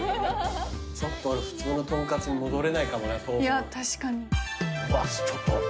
ちょっと俺普通のとんかつに戻れないかもな当分。